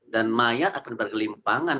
dan mayat akan bergelimpangan